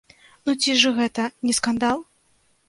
Ну ці ж гэта не скандал?!